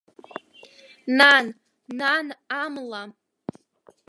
Нан, нан амла!